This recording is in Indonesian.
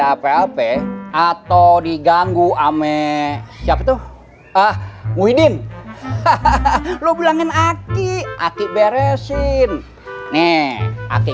lplp atau diganggu ame siapa tuh ah widin hahaha lo bilangin aki aki beresin nih aki